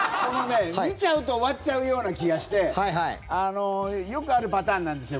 見ちゃうと終わっちゃうような気がしてよくあるパターンなんですよ。